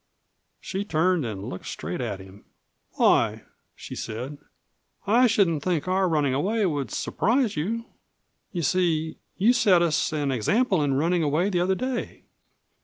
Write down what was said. She turned and looked straight at him. "Why," she said, "I shouldn't think our running away would surprise you. You see, you set us an example in running away the other day."